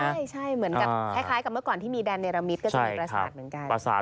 ใช่เหมือนกับคล้ายกับเมื่อก่อนที่มีแดนเนรมิตก็จะมีประสาทเหมือนกัน